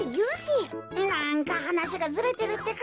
なんかはなしがずれてるってか。